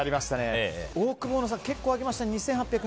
オオクボーノさん結構上げましたね。